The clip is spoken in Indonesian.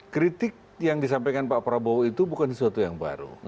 kritik yang disampaikan pak prabowo itu bukan sesuatu yang baru